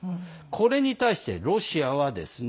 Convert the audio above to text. これに対して、ロシアはですね